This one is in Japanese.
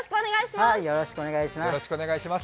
よろしくお願いします。